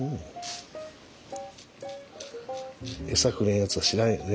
餌くれんやつは知らんよね。